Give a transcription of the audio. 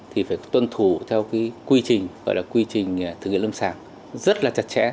thì phải tuân thủ theo quy trình gọi là quy trình thử nghiệm lâm sàng rất là chặt chẽ